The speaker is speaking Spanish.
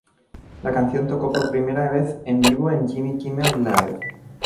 La canción toco por primera vez en vivo en "Jimmy Kimmel Live!